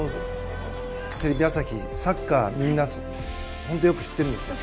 テレビ朝日、サッカーみんな本当によく知ってるんですよ。